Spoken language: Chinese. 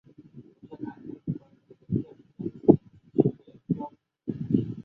威塞尔超过耶稣何等高不可攀的高度！